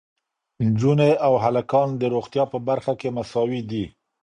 نجونې او هلکان د روغتیا په برخه کې مساوي دي.